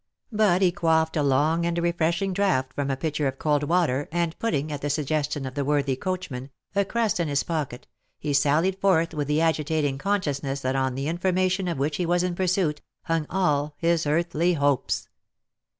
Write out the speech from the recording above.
But he quaffed a long and refreshing draught from a pitcher of cold water, and putting, at the suggestion of the worthy coachman, a crust in his pocket, he sallied forth with the agitating consciousness that on the information of which he was in pursuit, hung all his earthly hopes.